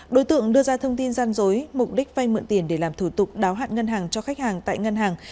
đối tượng đưa ra thông tin gian dối mục đích vay mượn tiền để làm thủ tục đáo hạn ngân hàng cho khách hàng tại ngân hàng